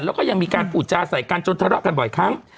แล้วก็ยังมีการพูดจาใส่กันจนทะเลาะกันบ่อยครั้ง